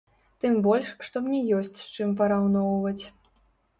Тым больш, што мне ёсць з чым параўноўваць.